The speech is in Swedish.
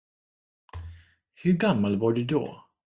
Hur gammal var du då?